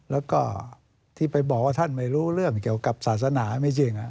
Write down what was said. แล้วก็ที่ไปบอกว่าท่านไม่รู้เรื่องเกี่ยวกับศาสนาไม่จริง